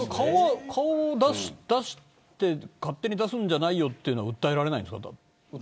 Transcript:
顔を勝手に出すんじゃないよと訴えられないんですか。